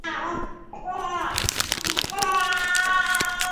دوکاندار له شر نه خدای ته پناه وړي.